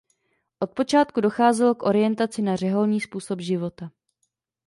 Od počátku docházelo k orientaci na řeholní způsob života.